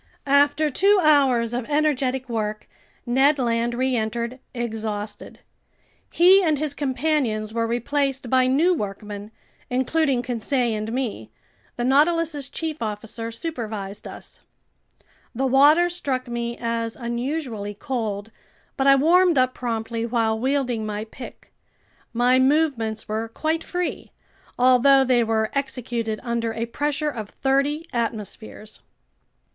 After two hours of energetic work, Ned Land reentered, exhausted. He and his companions were replaced by new workmen, including Conseil and me. The Nautilus's chief officer supervised us. The water struck me as unusually cold, but I warmed up promptly while wielding my pick. My movements were quite free, although they were executed under a pressure of thirty atmospheres.